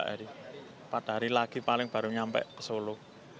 empat hari lagi paling baru nyampe ke solo